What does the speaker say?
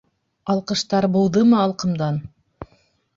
Алҡыштар быуҙымы алҡымдан?